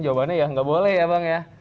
jawabannya ya nggak boleh ya bang ya